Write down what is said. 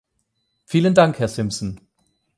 Vielen Dank, Herr Simpson.